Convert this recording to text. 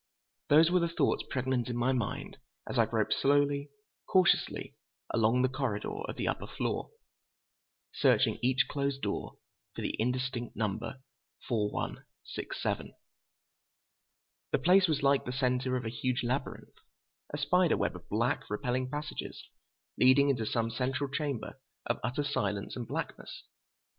Those were the thoughts pregnant in my mind as I groped slowly, cautiously along the corridor of the upper floor, searching each closed door for the indistinct number 4167. The place was like the center of a huge labyrinth, a spider web of black, repelling passages, leading into some central chamber of utter silence and blackness.